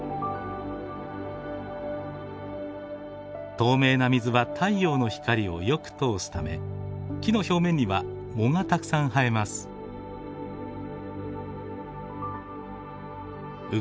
透明な水は太陽の光をよく通すため木の表面には藻がたくさん生えます。